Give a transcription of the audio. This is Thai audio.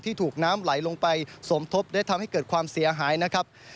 ถูกน้ำไหลลงไปสมทบได้ทำให้เกิดความเสียหายนะครับ